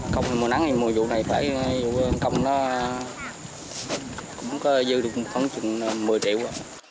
công thì mùa nắng thì mùa vụ này phải dùng công nó cũng có dư được khoảng một mươi triệu